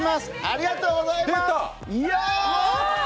ありがとうございます！